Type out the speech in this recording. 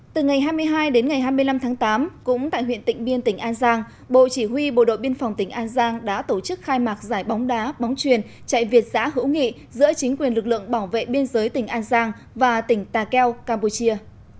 từ ngày hai mươi hai đến ngày hai mươi năm tháng tám cũng tại huyện tỉnh biên tỉnh an giang bộ chỉ huy bộ đội biên phòng tỉnh an giang đã tổ chức khai mạc giải bóng đá bóng truyền chạy việt giã hữu nghị giữa chính quyền lực lượng bảo vệ biên giới tỉnh an giang và tỉnh ta keo campuchia